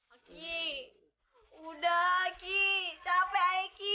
aki udah aki capek aiki